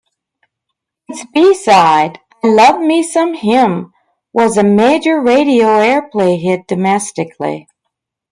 Its B-side, "I Love Me Some Him", was a major radio airplay hit domestically.